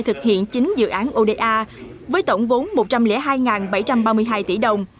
thực hiện chín dự án oda với tổng vốn một trăm linh hai bảy trăm ba mươi hai tỷ đồng